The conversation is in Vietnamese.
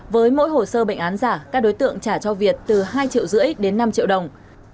với mỗi hồ sơ bệnh án giả các đối tượng trả cho việt từ hai triệu rưỡi đến năm triệu đồng